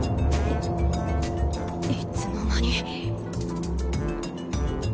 いつの間に。